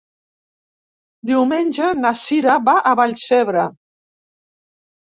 Diumenge na Cira va a Vallcebre.